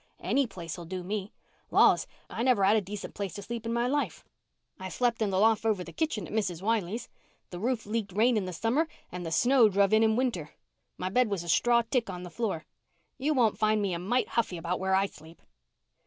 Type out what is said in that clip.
"Any place'll do me. Laws, I never had a decent place to sleep in my life. I slept in the loft over the kitchen at Mrs. Wiley's. The roof leaked rain in the summer and the snow druv in in winter. My bed was a straw tick on the floor. You won't find me a mite huffy about where I sleep."